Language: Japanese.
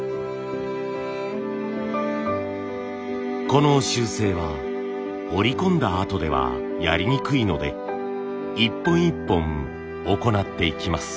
この修正は織り込んだあとではやりにくいので一本一本行っていきます。